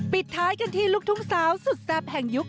ปิดท้ายกันที่ลูกทุ่งสาวสุดแซ่บแห่งยุค